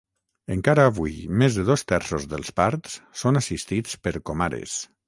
Encara avui més de dos terços dels parts són assistits per comares.